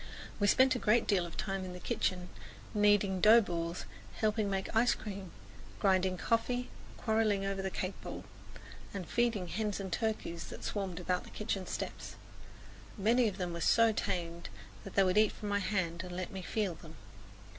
We spent a great deal of time in the kitchen, kneading dough balls, helping make ice cream, grinding coffee, quarreling over the cake bowl, and feeding the hens and turkeys that swarmed about the kitchen steps. Many of them were so tame that they would eat from my hand and let me feel them.